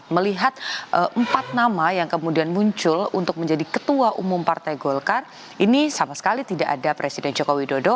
melihat empat nama yang kemudian muncul untuk menjadi ketua umum partai golkar ini sama sekali tidak ada presiden jokowi dodo